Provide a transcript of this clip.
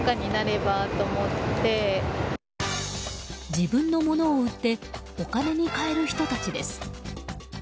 自分のものを売ってお金に換える人たちです。